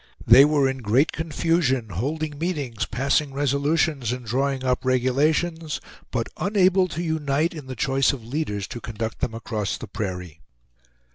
They were in great confusion, holding meetings, passing resolutions, and drawing up regulations, but unable to unite in the choice of leaders to conduct them across the prairie.